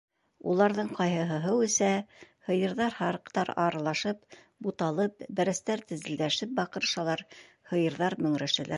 Уларҙың ҡайһыһы һыу эсә, һыйырҙар, һарыҡтар аралашып, буталып, бәрәстәр тезелдәшеп баҡырышалар, һыйырҙар мөңрәшәләр